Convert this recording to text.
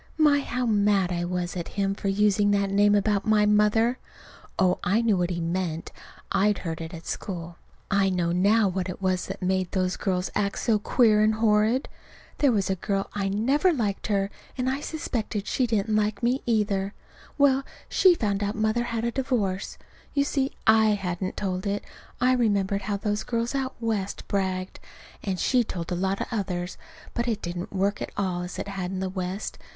My, how mad I was at him for using that name about my mother! Oh, I knew what he meant. I'd heard it at school. (I know now what it was that made those girls act so queer and horrid.) There was a girl I never liked her, and I suspect she didn't like me, either. Well, she found out Mother had a divorce. (You see, I hadn't told it. I remembered how those girls out West bragged.) And she told a lot of the others. But it didn't work at all as it had in the West.